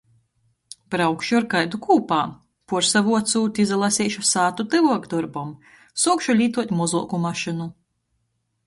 Braukšu ar kaidu kūpā. Puorsavuocūt izalaseišu sātu tyvuok dorbam. Suokšu lītuot mozuoku mašynu.